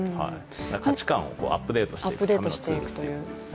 価値観をアップデートしていくということですね。